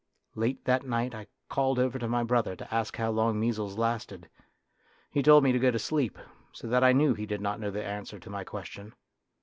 Late that night I called over to my brother to ask how long measles lasted. He told me to go to sleep, so that I knew he did not know the answer to my question.